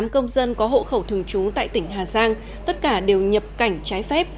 một mươi công dân có hộ khẩu thường trú tại tỉnh hà giang tất cả đều nhập cảnh trái phép